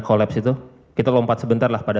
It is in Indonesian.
kolaps itu kita lompat sebentar lah pada